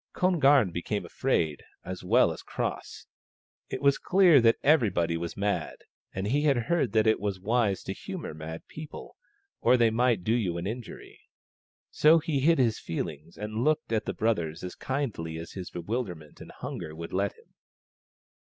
Kon garn became afraid, as well as cross. It was clear that everybody was mad, and he had heard that it was wise to humour mad people, or they might do you an injury. So he hid his feelings and looked at the brothers as kindly as his bewilder ment and hunger would let him.